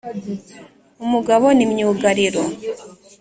umugabo ni myugariro